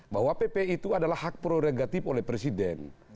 bahwa pp itu adalah hak prerogatif oleh presiden